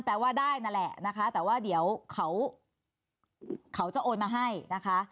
แปลว่าได้นั่นแหละนะคะแต่ว่าเดี๋ยวเขาจะโอนมาให้นะคะ